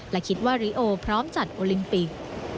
และคิดว่าริโอพร้อมจัดโอลิมปิก